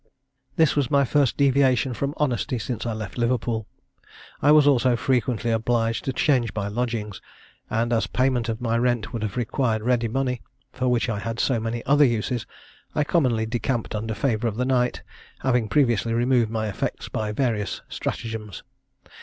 This was my first deviation from honesty since I left Liverpool. I was also frequently obliged to change my lodgings; and, as payment of my rent would have required ready money, for which I had so many other uses, I commonly decamped under favour of the night, having previously removed my effects by various stratagems.